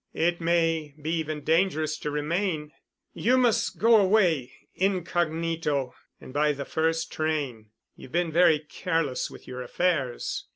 "It may be even dangerous to remain. You must go away incognito and by the first train. You've been very careless with your affairs.